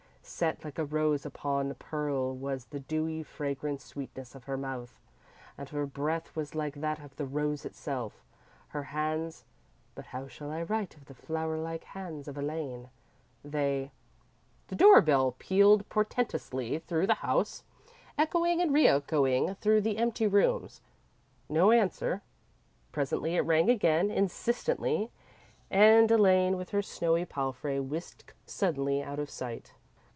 Set like a rose upon pearl was the dewy, fragrant sweetness of her mouth, and her breath was like that of the rose itself. Her hands but how shall I write of the flower like hands of Elaine? They _ The door bell pealed portentously through the house, echoing and re echoing through the empty rooms. No answer. Presently it rang again, insistently, and Elaine, with her snowy palfrey, whisked suddenly out of sight.